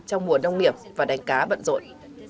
trong mùa nông nghiệp và đánh cá bận rộn